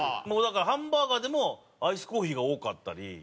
もうだからハンバーガーでもアイスコーヒーが多かったり。